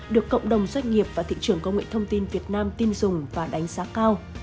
được cộng đồng doanh nghiệp và thị trường công nghệ thông tin việt nam tin dùng và đánh giá cao